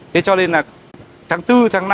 thế cho nên là tháng bốn tháng năm tháng sáu